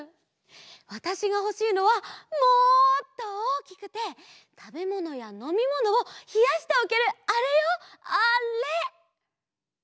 わたしがほしいのはもっとおおきくてたべものやのみものをひやしておけるあれよあれ！